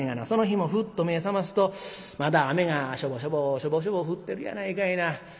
その日もふっと目ぇ覚ますとまだ雨がしょぼしょぼしょぼしょぼ降ってるやないかいな。